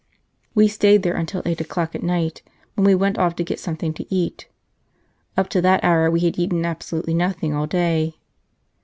We stayed there until eight o clock at night, when we went off to get something to eat. Up to that hour we had eaten absolutely nothing all day.